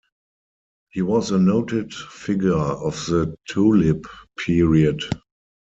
He was a noted figure of the Tulip period.